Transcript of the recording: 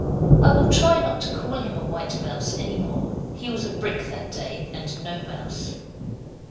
I will try not to call him a white mouse any more. He was a brick that day, and no mouse.